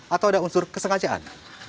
atau ada unsur kesengajaan